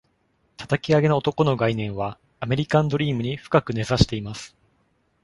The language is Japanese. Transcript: たたき上げの男の概念は、アメリカンドリームに深く根ざしています。